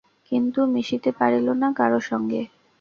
কিন্তু মিশিতে পারিল না কারো সঙ্গে।